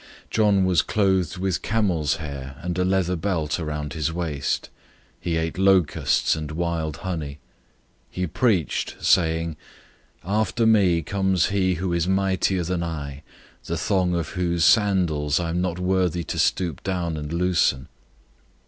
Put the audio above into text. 001:006 John was clothed with camel's hair and a leather belt around his waist. He ate locusts and wild honey. 001:007 He preached, saying, "After me comes he who is mightier than I, the thong of whose sandals I am not worthy to stoop down and loosen.